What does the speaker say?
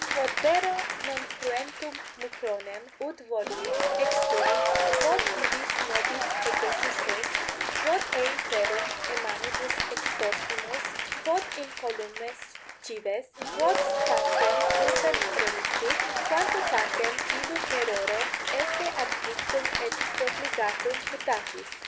Quod vero non 2 cruentum mucronem, ut voluit, extulit, quod vivis nobis egressus est, quod ei ferrum e manibus extorsimus, quod incolumes cives, quod stantem urbem reliquit, quanto tandem illum maerore esse adflictum et profligatum putatis?